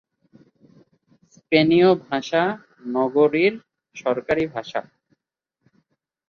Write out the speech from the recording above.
স্পেনীয় ভাষা নগরীর সরকারী ভাষা।